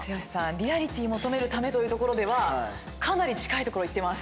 リアリティ求めるためというところではかなり近いところいってます。